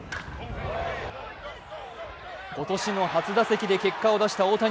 今年の初打席で結果を出した大谷。